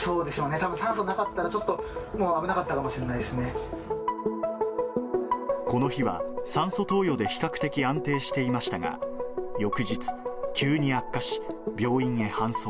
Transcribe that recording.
たぶん、酸素なかったら、ちょっと、もう危なかったかもしれないこの日は、酸素投与で比較的安定していましたが、翌日、急に悪化し、病院へ搬送。